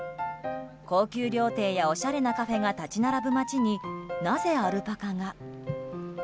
高級料亭やおしゃれなカフェが立ち並ぶ街になぜアルパカが。